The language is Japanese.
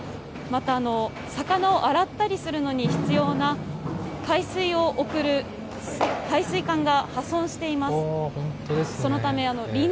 また、魚を洗ったりするのに必要な海水を送る配水管が破損しています。